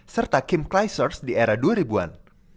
serta kim clisers di era dua ribu an